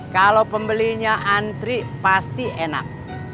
kalau pembelinya antri pasti enak